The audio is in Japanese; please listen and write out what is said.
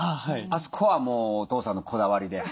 あそこはもうお父さんのこだわりで。